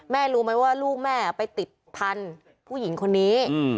รู้ไหมว่าลูกแม่ไปติดพันธุ์ผู้หญิงคนนี้